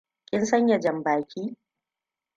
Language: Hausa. Kin sanya janbaki?